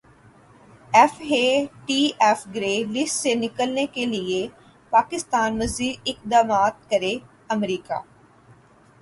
F A T F grey list سے نکلنے کیلئے پاکستان مزید اقدامات کرے امریکا